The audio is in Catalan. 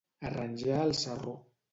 Arranjar el sarró.